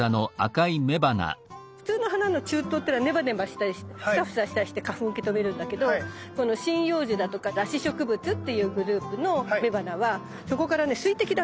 普通の花の柱頭ってネバネバしたりしてフサフサしたりして花粉を受け止めるんだけどこの針葉樹だとか裸子植物っていうグループの雌花はそこからね水滴出すの。